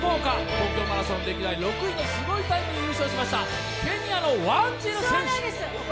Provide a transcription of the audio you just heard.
東京マラソン歴代６位のすごいタイムで優勝しましたケニアのワンジル選手。